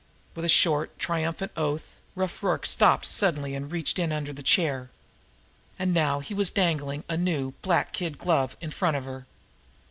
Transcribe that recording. With a short, triumphant oath, Rough Rorke had stopped suddenly and reached in under the chair. And now he was dangling a new, black kid glove in front of her.